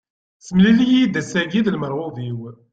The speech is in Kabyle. Ssemlil-iyi-d ass-agi d lmerɣub-iw.